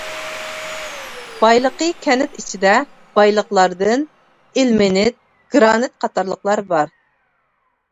بايلىقى كەنت ئىچىدە بايلىقلاردىن ئىلمېنىت، گىرانىت قاتارلىقلار بار.